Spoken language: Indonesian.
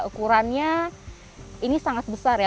ukurannya ini sangat besar ya